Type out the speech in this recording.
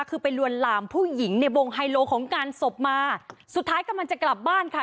คือไปลวนลามผู้หญิงในวงไฮโลของงานศพมาสุดท้ายกำลังจะกลับบ้านค่ะ